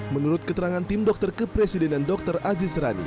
menurut keterangan tim dokter kepresidenan dr aziz rani